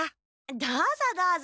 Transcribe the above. どうぞどうぞ。